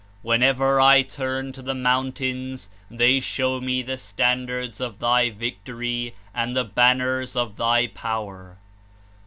"Whenever I turn to the mountains, they show me the standards of Thy victory and the banners of Thy power.